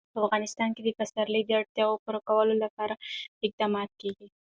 په افغانستان کې د پسرلی د اړتیاوو پوره کولو لپاره اقدامات کېږي.